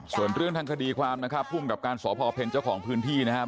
ส่วนเรื่องทางคดีความนะครับภูมิกับการสพเพ็ญเจ้าของพื้นที่นะครับ